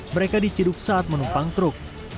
mereka diciduk saat menumpang truk